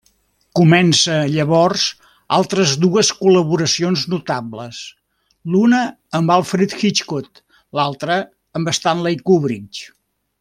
Comença llavors altres dues col·laboracions notables, l'una amb Alfred Hitchcock, l'altre amb Stanley Kubrick.